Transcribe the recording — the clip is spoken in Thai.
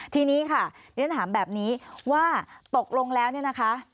ทีนี้ค่ะเรียนถามแบบนี้ว่าตกลงแล้วเนี่ยนะคะ